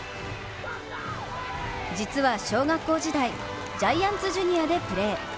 実は、小学校時代ジャイアンツジュニアでプレー。